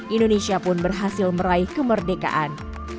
indonesia pun berhasil meraih kemerdekaan